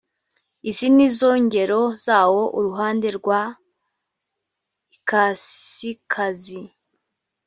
izi ni zo ngero zawo uruhande rw ikasikazi